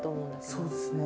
そうですね。